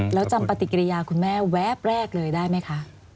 แล้วจำปฏิกิริยาคุณแม่แวบแรกเลยได้ไหมคะ